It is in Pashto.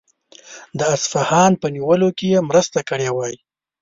د اصفهان په نیولو کې یې مرسته کړې وای.